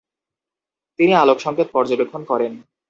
তিনি আলোর সংকেত পর্যবেক্ষণ করেন।